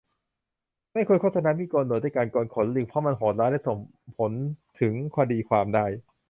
ไม่ควรโฆษณามีดโกนหนวดด้วยการโกนขนลิงเพราะมันโหดร้ายและส่งผลถึงคดีความได้